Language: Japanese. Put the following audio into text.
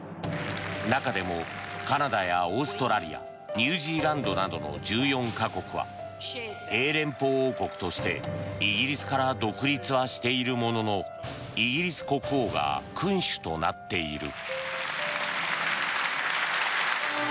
中でもカナダやオーストラリアニュージーランドなどの１４か国は英連邦王国として、イギリスから独立はしているもののイギリス国王が君主となっている。